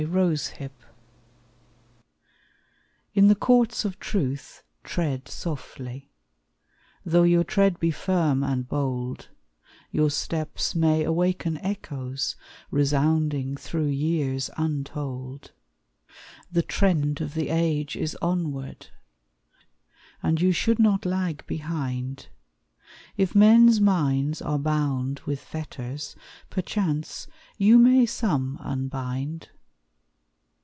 TREAD SOFTLY In the courts of truth tread softly, Though your tread be firm and bold; Your steps may awaken echoes, Resounding through years untold. The trend of the age is onward, And you should not lag behind; If men's minds are bound with fetters, Perchance you may some unbind.